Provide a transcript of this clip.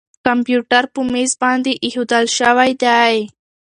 کمپیوټر په مېز باندې اېښودل شوی دی.